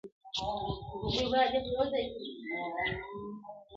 چي وهل یې د سیند غاړي ته زورونه-